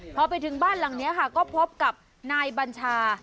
พอไปถึงบ้านหลังนี้ค่ะก็พบกับนายบัญชา